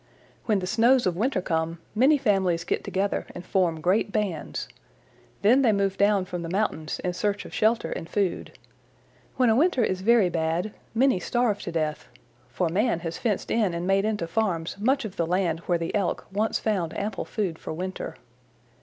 "When the snows of winter come, many families get together and form great bands. Then they move down from the mountains in search of shelter and food. When a winter is very bad, many starve to death, for man has fenced in and made into farms much of the land where the elk once found ample food for winter.